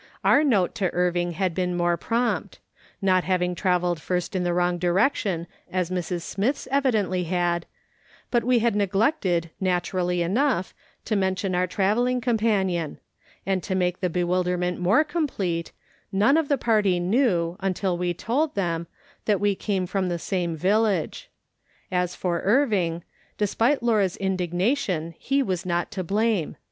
Our note to Irving had been more prompt — not having travelled first in the wrong direction, as Mrs. Smith's evidently had — but we had neglected, naturally enough, to mention our travelling companion ; and to make the bewilderment more complete, none of the party knew, until we told them, that we came from the same village. As for Irving, despite Laura's indigna tion, he was not to blame.